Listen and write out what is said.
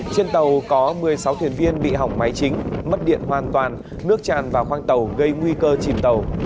trên tàu có một mươi sáu thuyền viên bị hỏng máy chính mất điện hoàn toàn nước tràn vào khoang tàu gây nguy cơ chìm tàu